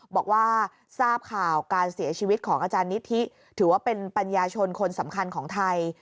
บอกว่าทราบข่าวการเสียชีวิตของอาจารย์นิธิถือว่าเป็นปัญญาชนคนสำคัญของไทย